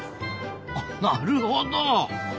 あなるほど！